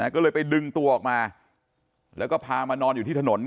ก็เลยไปดึงตัวออกมาแล้วก็พามานอนอยู่ที่ถนน